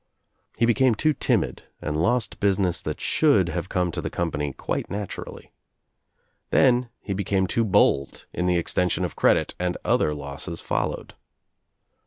He became too timid and lost business that should have come to the com pany quite naturally. Then he became too bold in the extension of credit and other losses followed.